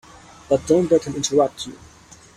But don't let him interrupt you.